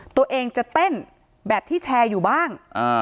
ตัวเองจะเต้นแบบที่แชร์อยู่บ้าง